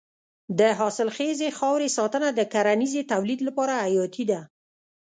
د حاصلخیزې خاورې ساتنه د کرنیزې تولید لپاره حیاتي ده.